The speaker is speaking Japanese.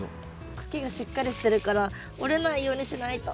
茎がしっかりしてるから折れないようにしないと。